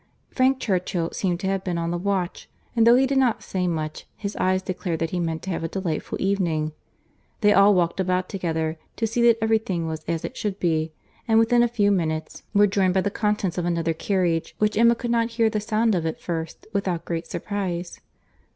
Frank Churchill seemed to have been on the watch; and though he did not say much, his eyes declared that he meant to have a delightful evening. They all walked about together, to see that every thing was as it should be; and within a few minutes were joined by the contents of another carriage, which Emma could not hear the sound of at first, without great surprize.